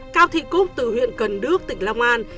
cao thị cúc từ huyện cần đước tỉnh long an